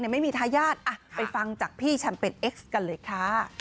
ไม่มีทายาทไปฟังจากพี่แชมเปญเอ็กซ์กันเลยค่ะ